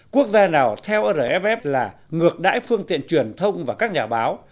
quốc gia nào theo rf là ngược đãi phương tiện truyền thông và các nhà báo